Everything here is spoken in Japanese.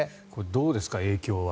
どうですか影響は。